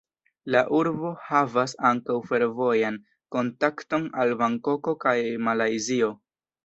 La urbo havas ankaŭ fervojan kontakton al Bankoko kaj Malajzio.